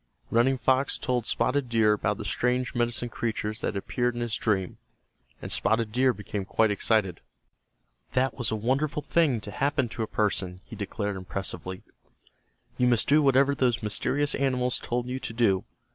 Running Fox told Spotted Deer about the strange medicine creatures that had appeared in his dream, and Spotted Deer became quite excited. "That was a wonderful thing to happen to a person," he declared, impressively. "You must do whatever those mysterious animals told you to do.